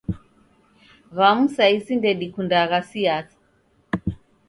W'amu sa isi ndedikundagha siasa.